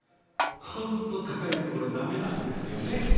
本当高い所ダメなんですよね